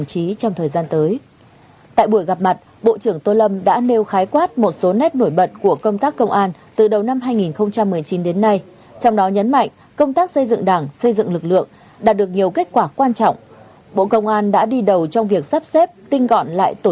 phát biểu tại buổi gặp mặt bộ trưởng tô lâm chúc câu lạc bộ sĩ quan công an thành phố trong đảm bảo an ninh trật tự có những đóng góp thiết thực hiệu quả vào công tác công an thành phố trong đảm bảo an ninh trật tự